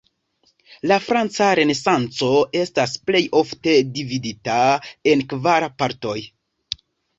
La franca Renesanco estas plej ofte dividita en kvar partoj.